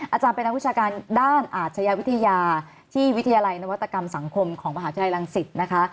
อาจารย์เป็นนักวิชาการด้านอาชญาวิทยาที่วิทยาลัยนวัตกรรมสังคมของมหาวิทยาลัยรังสิตนะคะ